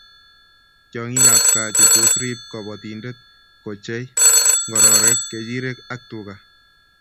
Tiongikab kaa che tos rib kobotindet ko chei ngororek, kechirek ak tuga